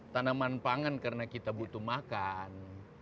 tanaman pangan karena kita butuh makan